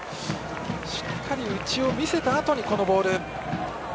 しっかり内を見せたあとにこのボール。